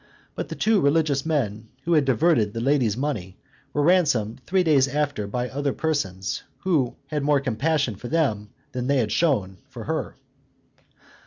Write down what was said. But the two religious men, who had diverted the lady's money, were ransomed three days after by other persons, who had more compassion for them than they had showed for her.